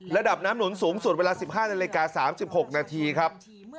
ระดับน้ำหนุนสูงสุดเวลาสิบห้าในเลกาสามสิบหกนาทีครับ